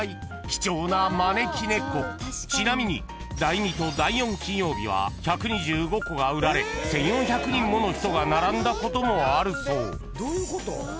［ちなみに第２と第４金曜日は１２５個が売られ１，４００人もの人が並んだこともあるそう］